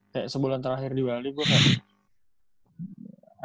kayak sebulan terakhir di bali gue kayak